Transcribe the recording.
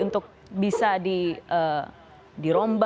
mungkin sudah memberikan masukan kepada pak jokowi ya